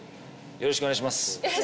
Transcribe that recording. よろしくお願いします